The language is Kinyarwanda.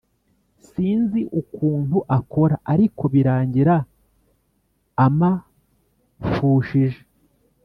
sinzi ukuntu akora ariko birangira amafushije